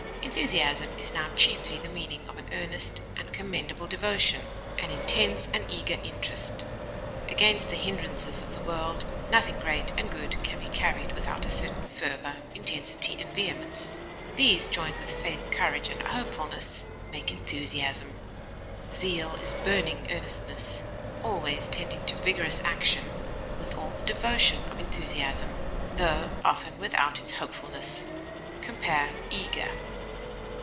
Enthusiasm has now chiefly the meaning of an earnest and commendable devotion, an intense and eager interest. Against the hindrances of the world, nothing great and good can be carried without a certain fervor, intensity, and vehemence; these joined with faith, courage, and hopefulness make enthusiasm. Zeal is burning earnestness, always tending to vigorous action with all the devotion of enthusiasm, tho often without its hopefulness. Compare EAGER.